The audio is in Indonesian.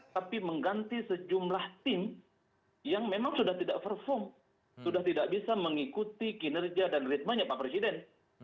tapi mengganti sejumlah tim yang memang sudah tidak perform sudah tidak bisa mengikuti kinerja dan ritmanya pak presiden